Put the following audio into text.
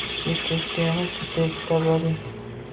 Ikki-uchta emas, bitta kitob yozing.